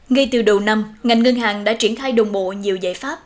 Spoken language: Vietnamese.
ngay từ đầu năm ngành ngân hàng đã triển khai đồng bộ nhiều giải pháp